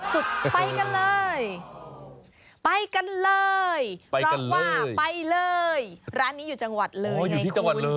ไปกันเลยไปกันเลยไปกันเลยร้อนว่าไปเลยร้านนี้อยู่จังหวัดเลยไงคุณ